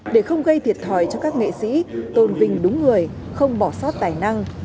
để không gây thiệt thòi cho các nghệ sĩ tôn vinh đúng người không bỏ sót tài năng